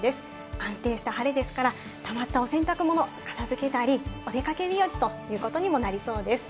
安定した晴れですから、たまったお洗濯物を片付けたり、お出かけ日和ということにもなりそうです。